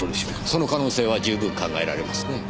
その可能性は十分考えられますねぇ。